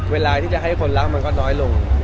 เวลาที่จะให้คนรักมันก็น้อยลง